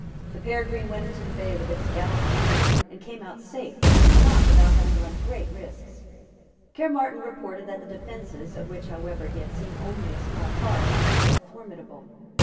The Peregrine went into the bay with its gallant crew, and came out safe, but not without having run great risks. Caermarthen reported that the defences, of which however he had seen only a small part, were formidable.